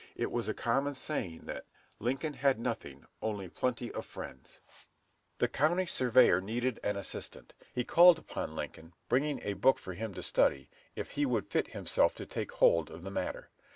It was a common saying, that "Lincoln had nothing, only plenty of friends." The County surveyor needed an assistant. He called upon Lincoln, bringing a book for him to study, if he would fit himself to take hold of the matter.